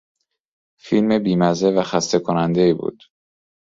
فیلم بیمزه و خستهکنندهای بود.